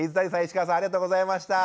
石川さんありがとうございました。